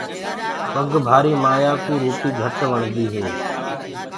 پگ ڀآري مآيآ ڪوُ روٽي گھٽ وڻدي هي۔